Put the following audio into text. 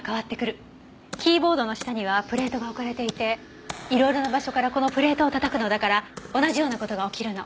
キーボードの下にはプレートが置かれていて色々な場所からこのプレートを叩くのだから同じような事が起きるの。